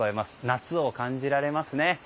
夏を感じられますね。